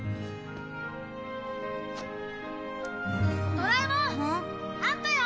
ドラえもん、あったよ！